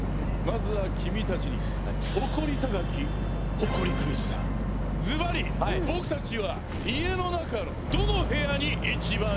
まずは君たちにズバリ僕たちは家の中のどの部屋に一番いると思う？